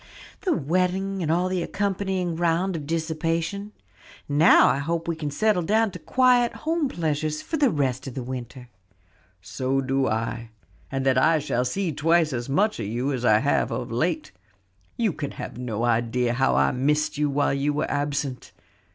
"The wedding and all the accompanying round of dissipation. Now I hope we can settle down to quiet home pleasures for the rest of the winter." "So do I, and that I shall see twice as much of you as I have of late. You can have no idea how I missed you while you were absent.